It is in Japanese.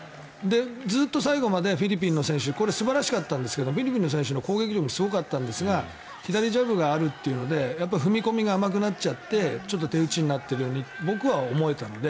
ずっと最後までフィリピンの選手フィリピンの選手の攻撃力もすごかったんですが左ジャブがあるっていうので踏み込みが甘くなっちゃってちょっと手打ちになっているように僕は思えたので。